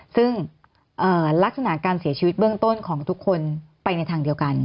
ซึ่งลักษณะการเสียชีวิตเบื้องต้นของทุกคนไปในทางเดียวกัน